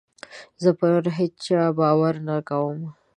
زه پر هېچا باور نه کوم.